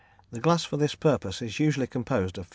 The glass for this purpose is usually composed of 53.